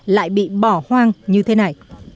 lại bị bỏ hoang như thế này